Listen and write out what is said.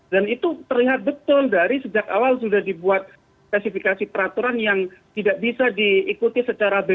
dan itu terlihat betul dari sejak awal sudah dibuat klasifikasi peraturan yang tidak bisa diikuti secara bebas